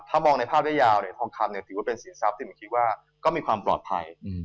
ถ้ามองในภาพยาวทองคำถือว่าเป็นสินทรัพย์ที่มีความปลอดภัย